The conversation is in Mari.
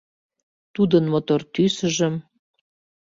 Тудын мотор тӱсыжым